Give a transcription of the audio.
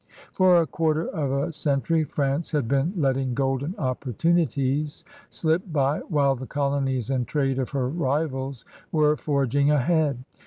For a quarter of a century, France had been letting golden opportunities slip by while the colonies and trade of her rivals were forging ahead.